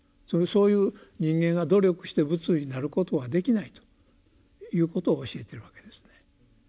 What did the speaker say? そういう人間が努力して仏になることはできないということを教えてるわけですね。